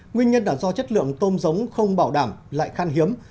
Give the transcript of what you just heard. nguyên nhân là do chất lượng tôm giống không bảo đảm lại khăn hiếm